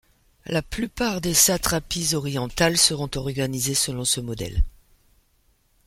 La plupart des satrapies orientales seront organisées selon ce modèle.